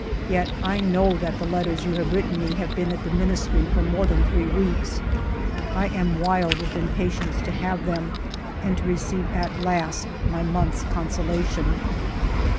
Yet I know that the letters you have written me have been at the Ministry for more than three weeks. I am wild with impatience to have them and to receive at last my month's consolation."